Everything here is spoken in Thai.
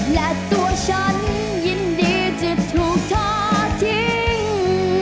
และตัวฉันยินดีจะถูกท้อทิ้ง